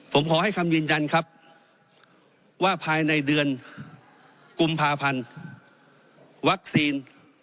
ผมขอให้คำยืนยันครับว่าภายในเดือนกุมภาพันธ์วัคซีน